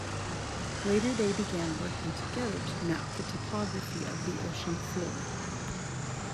Later, they began working together to map the topography of the ocean floor.